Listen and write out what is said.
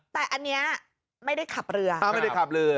แต่อันเนี้ยไม่ได้ขับเรือ